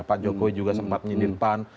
pak jokowi juga sempat menyindir pan